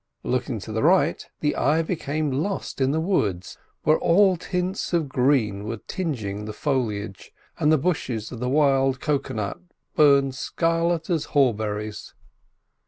Looking to the right, the eye became lost in the woods, where all tints of green were tinging the foliage, and the bushes of the wild cocoa nut burned scarlet as haw berries.